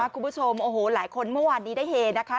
คุณผู้ชมโอ้โหหลายคนเมื่อวานนี้ได้เฮนะคะ